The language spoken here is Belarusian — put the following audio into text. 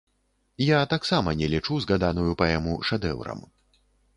Я таксама не лічу згаданую паэму шэдэўрам.